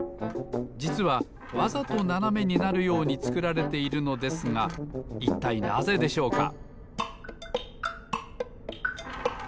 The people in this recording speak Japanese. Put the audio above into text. じつはわざとななめになるようにつくられているのですがいったいなぜでしょうか？